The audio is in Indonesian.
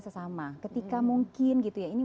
sesama ketika mungkin gitu ya ini